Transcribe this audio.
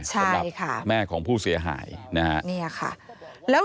ใช่ค่ะสำหรับแม่ของผู้เสียหายนะฮะนี่ค่ะสำหรับแม่ของผู้เสียหายนะฮะ